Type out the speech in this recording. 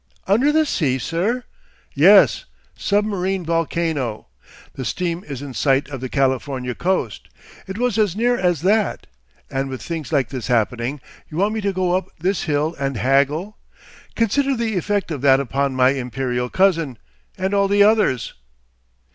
'Under the sea, sir?' 'Yes. Submarine volcano. The steam is in sight of the Californian coast. It was as near as that. And with things like this happening, you want me to go up this hill and haggle. Consider the effect of that upon my imperial cousin—and all the others!